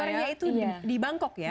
korea itu di bangkok ya